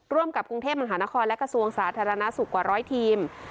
ร่วมกับกรุงเทพมหานครและกระทรวงสาธารณสุขกว่าร้อยทีม